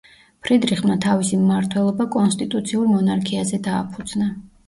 ფრიდრიხმა თავისი მმართველობა კონსტიტუციურ მონარქიაზე დააფუძნა.